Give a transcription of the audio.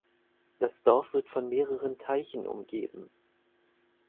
Das Dorf wird von mehreren Teichen umgeben.